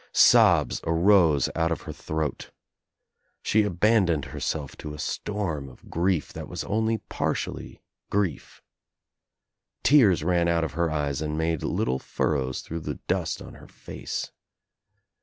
Sobs arose out of her throat. She aban doned herself to a storm of grief that was only par tially grief. Tears ran out of her eyes and made little furrows through the dust on her face.